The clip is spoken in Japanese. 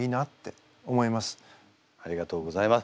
ありがとうございます。